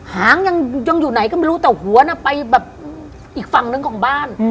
หางยังอยู่ไหนก็ไม่รู้แต่หัวน่ะไปแบบอีกฝั่งนึงของบ้าน